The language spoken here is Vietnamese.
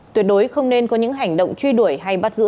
tuyệt đối không nên có những hành động truy đuổi hay bắt giữ